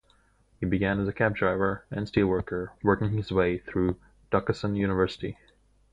He began as a cab driver and steelworker, working his way through Duquesne University.